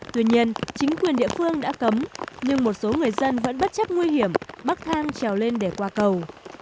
tuy nhiên chính quyền địa phương đã cấm nhưng một số người dân vẫn bất chấp nguy hiểm bắc than trèo lên để qua cầu